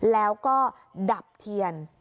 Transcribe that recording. แล้วก็ดับเทียน